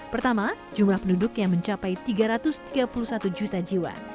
pertama jumlah penduduknya mencapai tiga ratus tiga puluh satu juta jiwa